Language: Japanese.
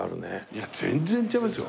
いや全然違いますよ。